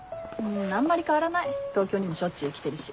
あんまり変わらない東京にもしょっちゅう来てるし。